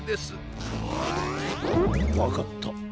わかった。